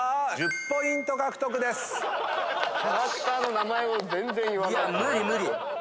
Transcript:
キャラクターの名前を全然言わない。